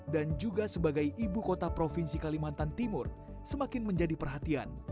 dan juga sebagai ibu kota provinsi kalimantan timur semakin menjadi perhatian